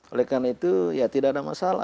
oleh karena itu ya tidak ada masalah